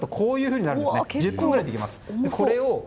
１０分くらいでできます。